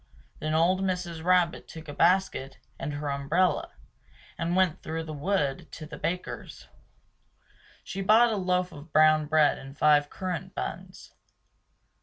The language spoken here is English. Then old Mrs. Rabbit took a basket and her umbrella and went through the wood to the baker's. She bought a loaf of brown bread and five currant buns.